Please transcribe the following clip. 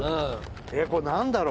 えっこれなんだろう？